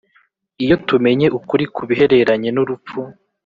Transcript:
Iyo tumenye ukuri ku bihereranye n urupfu